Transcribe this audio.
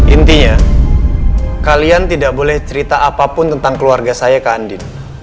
intinya kalian tidak boleh cerita apapun tentang keluarga saya ke andin